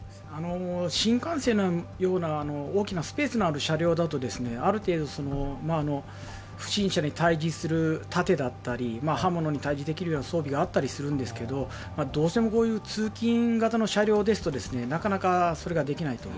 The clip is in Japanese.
新幹線のような大きなスペースのある車両だとある程度、不審者に対峙する盾だったり刃物に対峙できるような装備があったりするんですけどどうしても通勤型の車両ですと、それがなかなかできないと。